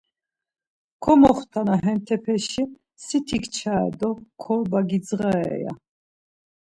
Komoxtana hentepeşi siti kçare do kobra gidzğare ya.